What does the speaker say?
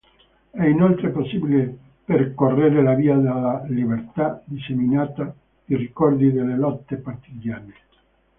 È inoltre possibile percorrere la “via della Libertà”, disseminata di ricordi delle lotte partigiane.